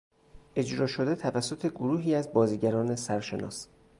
اجرا شده توسط گروهی از بازیگران سرشناس